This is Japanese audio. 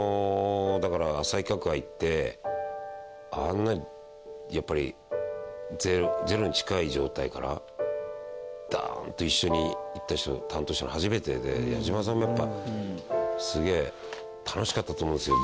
あんなにやっぱりゼロに近い状態からダーンと一緒にいった人を担当したのを初めてで矢島さんもやっぱりすげえ楽しかったと思うんですよ。